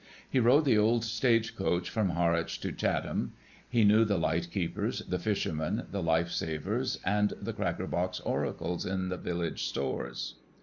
He rode the old stage coach from Harwich to Chatham ; he knew the lightkeepers, the fishermen, the life savers, and the cracker box oracles in the village stores.